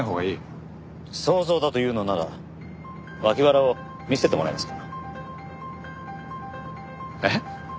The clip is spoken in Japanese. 想像だというのなら脇腹を見せてもらえますか？